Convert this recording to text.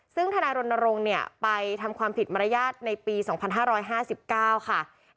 ซึ่งธนายรณรงค์ไปทำความผิดมารยากธนายความในปี๒๕๕๙